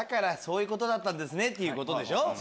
そういうことだったんですね！っていうことでしょ？